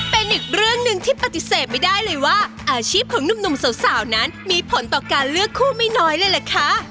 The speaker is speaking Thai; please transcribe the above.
เป็นอีกเรื่องหนึ่งที่ปฏิเสธไม่ได้เลยว่าอาชีพของหนุ่มสาวนั้นมีผลต่อการเลือกคู่ไม่น้อยเลยล่ะค่ะ